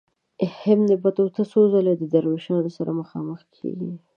ابن بطوطه څو ځله د دروېشانو سره مخامخ کیږي.